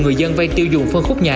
người dân vay tiêu dùng phân khúc nhà